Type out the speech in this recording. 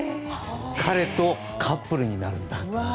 彼とカップルになるんだと。